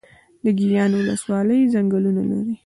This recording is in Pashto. د ګیان ولسوالۍ ځنګلونه لري